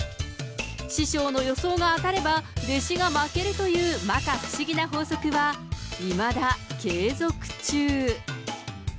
師匠の予想が当たれば、弟子が負けるというまか不思議な法則は、いまだ継続中。